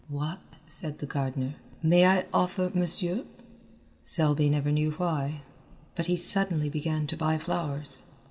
"What," said the gardener, "may I offer Monsieur?" Selby never knew why, but he suddenly began to buy flowers.